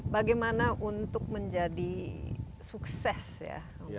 bagaimana untuk menjadi sukses ya